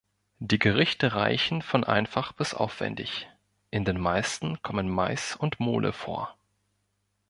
Die Gerichte reichen von einfach bis aufwendig; in den meisten kommen Mais und Mole vor.